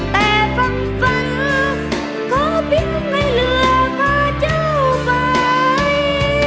แต่ฝังฝันเขาเพิ่งให้เหลือพาเจ้าไป